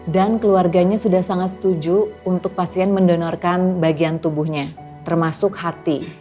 dan keluarganya sudah sangat setuju untuk pasien mendonorkan bagian tubuhnya termasuk hati